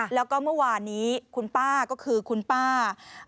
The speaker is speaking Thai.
แล้วก็เมื่อวานนี้คุณป้าก็คือคุณป้า